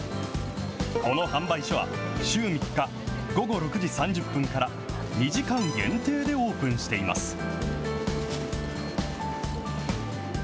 この販売所は、週３日、午後６時３０分から２時間限定でオープンしています。